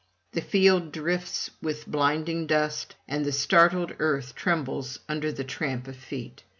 The field drifts with blinding dust, and the startled earth trembles under the tramp of feet.